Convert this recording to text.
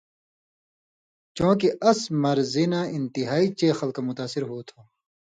چوںکہ اس مرضی نہ انتہائی چے خلکہ متاثر ہُو تھو